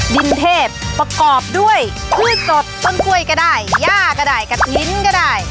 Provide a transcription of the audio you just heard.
ดินเทพประกอบด้วยพืชสดต้นกล้วยก็ได้ย่าก็ได้กระทิ้นก็ได้